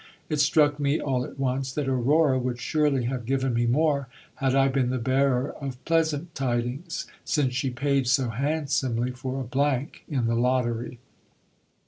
It struck me all at once that Aurora would surely have given me more had I been the bearer of pleasant tidings, since she paid so handsomely for a blank in the lottery.